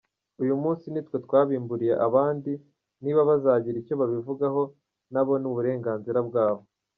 Uyu munsi nitwe twabimburiye abandi, niba bazagira icyo babivugaho nabo ni uburenganzira bwabo.